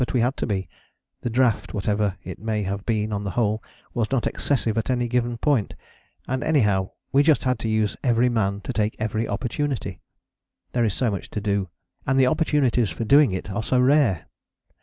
But we had to be: the draft, whatever it may have been on the whole, was not excessive at any given point; and anyhow we just had to use every man to take every opportunity. There is so much to do, and the opportunities for doing it are so rare.